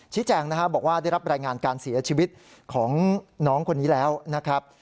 แจ้งนะครับบอกว่าได้รับรายงานการเสียชีวิตของน้องคนนี้แล้วนะครับ